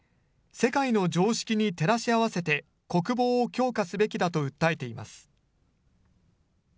世界の常識に照らし合わせて国防を強化すべきだと訴えています。